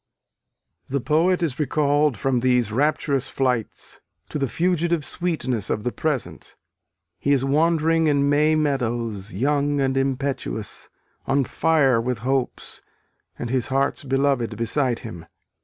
] The poet is recalled from these rapturous flights to the fugitive sweetness of the present: he is wandering in May meadows, young and impetuous, on fire with hopes, and his heart's beloved beside him.